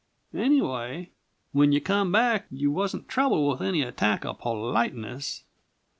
Anyway, when you come back, you wasn't troubled with no attack of politeness!